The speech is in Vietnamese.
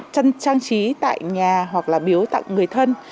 chăn trang trí tại nhà hoặc là biếu tặng người thân